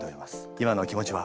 今のお気持ちは？